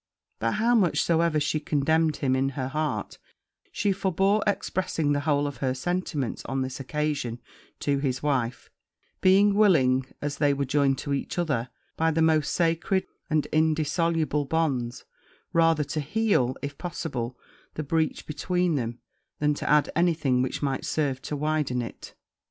But how much soever she condemned him in her heart, she forebore expressing the whole of her sentiments on this occasion to his wife, being willing, as they were joined to each other by the most sacred and indissoluble bonds, rather to heal, if possible, the breach between them, than to add any thing which might serve to widen it.